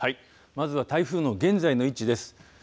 まずは台風の現在の位置です。